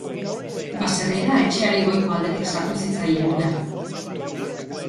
Baserrira etxearen goiko aldetik sartu zitzaien ura.